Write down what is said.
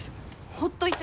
ほっといて。